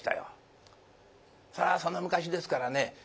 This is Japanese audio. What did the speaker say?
それはその昔ですからね